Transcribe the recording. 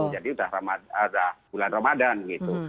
jadi sudah bulan ramadhan gitu